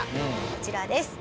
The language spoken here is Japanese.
こちらです。